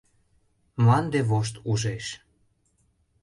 Мланде вошт ужеш.